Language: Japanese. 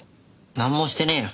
なんもしてねえよ。